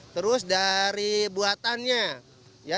terus dari buatannya